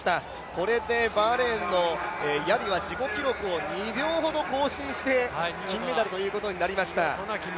これでバーレーンのヤビは自己記録を２秒ほど更新して金メダルということになりました。